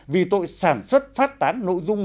vì tội sản xuất phát tán nội dung